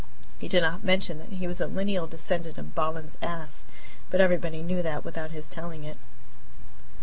He did not mention that he was a lineal descendant of Balaam's ass, but everybody knew that without his telling it.